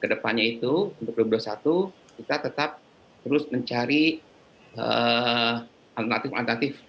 kedepannya itu untuk dua ribu dua puluh satu kita tetap terus mencari alternatif alternatif